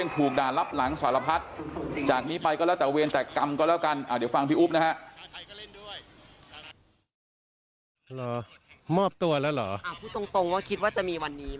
พูดตรงว่าคิดว่าจะมีวันนี้ไหมพี่